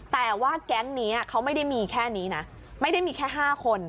แต่ว่าแก๊งนี้เขาไม่ได้มีแค่นี้นะไม่ได้มีแค่๕คน